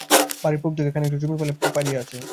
বাড়ির পুবদিকে খানিকটা জমি খালে পড়িয়া আছে।